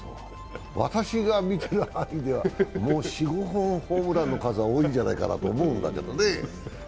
私が見てる範囲ではもう４５本、ホームランの数は多いんじゃないかと思うんだけどね。